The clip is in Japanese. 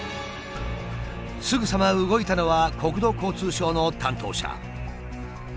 すぐさま動いたのは国土交通省の担当者。